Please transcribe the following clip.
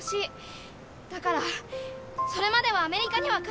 だからそれまではアメリカには帰らない！